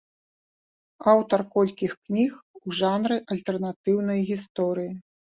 Аўтар колькіх кніг у жанры альтэрнатыўнай гісторыі.